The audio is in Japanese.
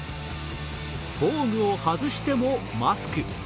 防具を外してもマスク。